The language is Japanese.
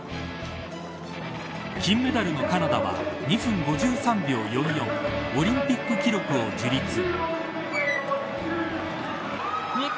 金メダルのカナダは２分５３秒４４オリンピック記録を樹立。